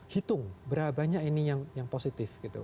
hitung berapa banyak ini yang positif gitu